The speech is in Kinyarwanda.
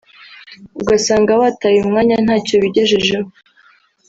ugasanga bataye umwanya ntacyo bigejejeho